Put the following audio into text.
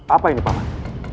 apa ini pak man